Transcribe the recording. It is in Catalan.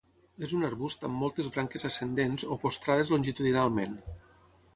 És un arbust amb moltes branques ascendents o postrades longitudinalment.